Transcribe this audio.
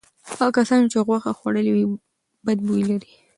هغو کسانو چې غوښه خوړلې بد بوی لري.